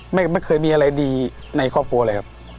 ไม่เคยมีอะไรดีในครอบครัวเลยครับ